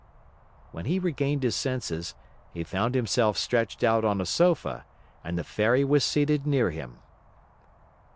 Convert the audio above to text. When he regained his senses, he found himself stretched out on a sofa and the Fairy was seated near him.